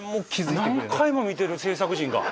何回も見てる制作陣が。